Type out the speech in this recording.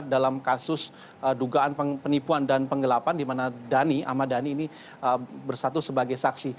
dalam kasus dugaan penipuan dan penggelapan di mana dhani ahmad dhani ini bersatu sebagai saksi